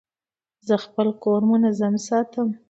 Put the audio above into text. زه خپل کور منظم ساتم.